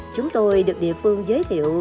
chúng tôi được địa phương giới thiệu